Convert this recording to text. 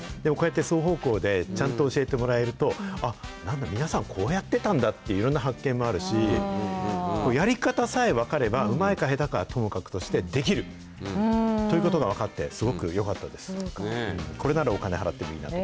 でもこうやって双方向でちゃんと教えてもらえると、あっ、なんだ皆さん、こうやってたんだっていろんな発見もあるし、やり方さえ分かれば、うまいか下手かはともかくとして、できるということが分かってすごくよかったです。